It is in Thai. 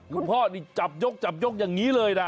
คุณพ่อจับยกอย่างนี้เลยนะ